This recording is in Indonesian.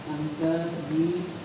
angka di tiga belas